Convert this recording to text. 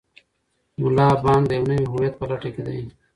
ملا بانګ د یو نوي هویت په لټه کې دی.